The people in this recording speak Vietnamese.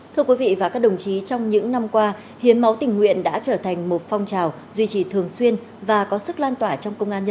thưa quý vị và các đồng chí trong những năm qua hiến máu tình nguyện đã trở thành một phong trào duy trì thường xuyên và có sức lan tỏa trong công an nhân dân